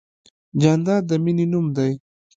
جانداد د مینې نوم دی.